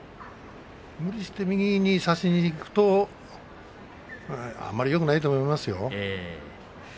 無理して右に差しにいくとあまりよくないと思いますよ。